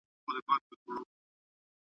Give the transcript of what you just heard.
هغه په هلمند کي د خپلو خپلوانو کره ميلمه و.